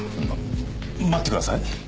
待ってください。